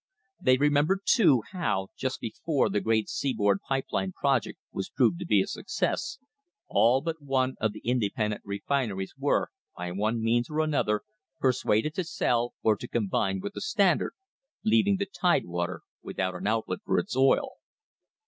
They remember, too, how, just before the great seaboard pipe line project was proved to be a success, all but one of the independent refineries were, by one means or another, persuaded to sell or to combine with the Standard, leaving the Tidewater without an outlet for its oil.